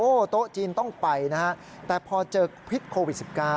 โอ้โหโต๊ะจีนต้องไปนะครับแต่พอเจอพิษโควิด๑๙